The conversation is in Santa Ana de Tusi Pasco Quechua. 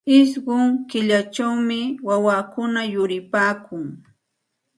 Ishqun killayuqmi wawakuna yuripaakun.